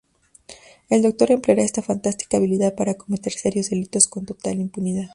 El doctor empleará esta fantástica habilidad para cometer serios delitos con total impunidad.